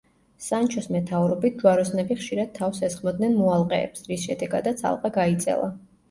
სანჩოს მეთაურობით, ჯვაროსნები ხშირად თავს ესხმოდნენ მოალყეებს, რის შედეგადაც ალყა გაიწელა.